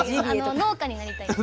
農家になりたいんです。